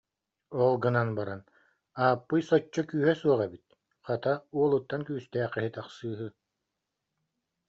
Ол гынан баран: «Ааппый соччо күүһэ суох эбит, хата, уолуттан күүстээх киһи тахсыыһы»